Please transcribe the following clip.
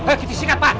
eh disikat pak